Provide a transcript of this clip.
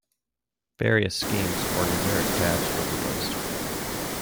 Various schemes for numeric tabs were proposed.